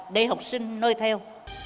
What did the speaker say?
để học sinh nơi theo